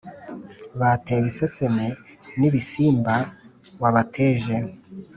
batewe iseseme n’ibisimba wabateje,